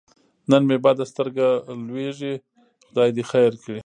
نن مې بده سترګه لوېږي خدای دې خیر کړي.